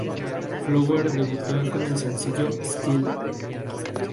Flower debutó con el sencillo "Still".